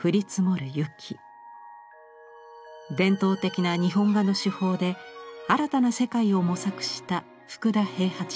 伝統的な日本画の手法で新たな世界を模索した福田平八郎。